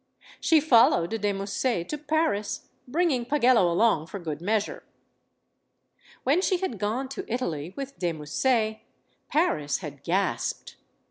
She followed de Musset to Paris, bringing Pagello along for good measure. When she had gone to Italy with de Musset, Paris had gasped.